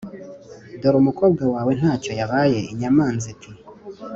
‘ dore umukobwa wawe nta cyo yabaye.’ inyamanza iti